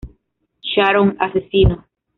Sharon asesino.